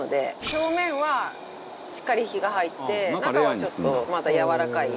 表面は、しっかり火が入って中は、ちょっとまだ、やわらかい。